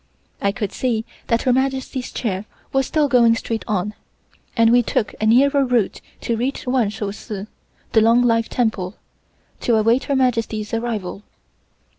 I could see that Her Majesty's chair was still going straight on, and we took a nearer route to reach Wan Shou Si (The long life temple), to await Her Majesty's arrival.